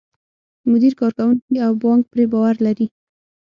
مدیر، کارکوونکي او بانک پرې باور لري.